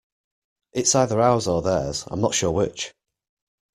It's either ours or theirs, I'm not sure which.